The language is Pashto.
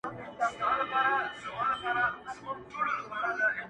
سم روان سو د خاوند د خوني خواته-